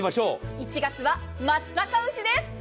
１月は松阪牛です。